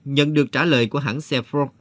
nhận được trả lời của hãng xe ford